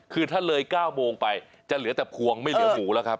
คือถ้าเลย๙โมงไปจะเหลือแต่พวงไม่เหลือหมูแล้วครับ